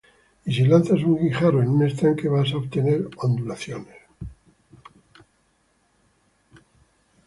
Y sí lanzas un guijarro en un estanque, vas a obtener ondulaciones.